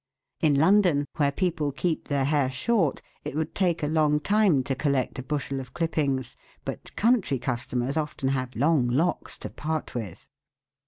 In London, where people keep their hair short, it would take a long time to collect a bushel of clippings, but country customers often have long locks to part with.